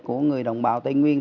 của người đồng bào tây nguyên